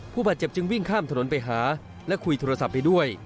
ผู้บาดเจ็บจึงวิ่งข้ามถนนไปหาและคุยโทรศัพท์ไปด้วย